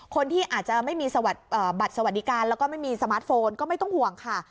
คนที่อาจจะไม่มีบัตรสวัสดิการแล้วก็ไม่มีสมาร์ทโฟนก็ไม่ต้องห่วงค่ะ